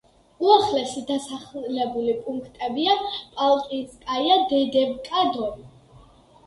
უახლოესი დასახლებული პუნქტებია: პალკინსკაია, დედევკა, დორი.